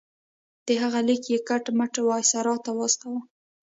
د هغه لیک یې کټ مټ وایسرا ته واستاوه.